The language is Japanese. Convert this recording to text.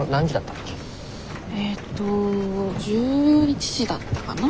えっと１１時だったかな？